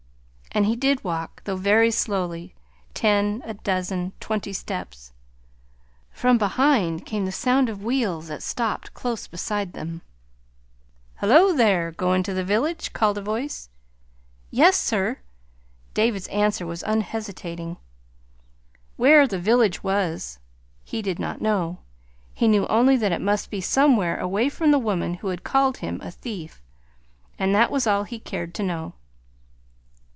And he did walk, though very slowly, ten, a dozen, twenty steps. From behind came the sound of wheels that stopped close beside them. "Hullo, there! Going to the village?" called a voice. "Yes, sir." David's answer was unhesitating. Where "the village" was, he did not know; he knew only that it must be somewhere away from the woman who had called him a thief. And that was all he cared to know.